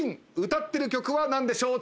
歌ってる曲はなんでしょう？